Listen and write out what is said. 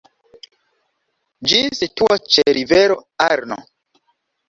Ĝi situas ĉe rivero Arno.